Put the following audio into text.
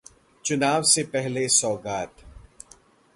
चुनाव से पहले सौगात